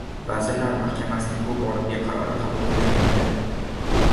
Vazirlar Mahkamasining bu boradagi qarori qabul qilingandi